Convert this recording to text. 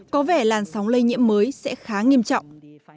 có vẻ làn sóng lây nhiễm mới sẽ khá nghiêm trọng